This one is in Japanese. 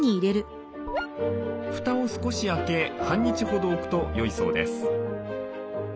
ふたを少し開け半日ほど置くとよいそうです。